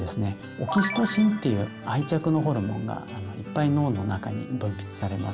オキシトシンっていう愛着のホルモンがいっぱい脳の中に分泌されます。